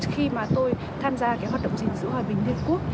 khi mà tôi tham gia cái hoạt động gìn giữ hòa bình liên hợp quốc